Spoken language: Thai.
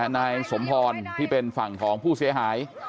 นายสมพรที่เป็นฝั่งของผู้เสียหาย